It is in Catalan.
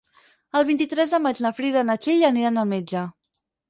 El vint-i-tres de maig na Frida i na Txell aniran al metge.